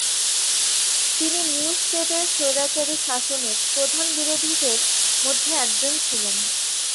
তিনি new state এর স্বৈরাচারী শাসনের প্রধান বিরোধীদের মধ্যে একজন ছিলেন।